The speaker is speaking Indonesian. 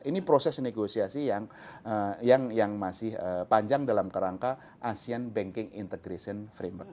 ini proses negosiasi yang masih panjang dalam kerangka asean banking integration framework